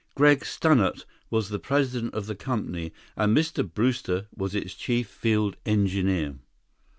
Gregg Stannart was the president of the company, and Mr. Brewster was its chief field engineer.